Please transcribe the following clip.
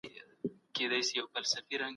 قانون به پر ټولو مساوي تطبیق سي.